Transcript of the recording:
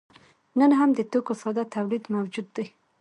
نن هم د توکو ساده تولید موجود دی.